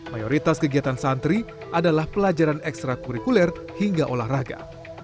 mayoritas kegiatan santri adalah pelajaran ekstra kurikuler hingga olahraga